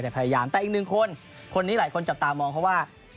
แต่พยายามแต่อีกหนึ่งคนคนนี้หลายคนจับตามองเขาว่า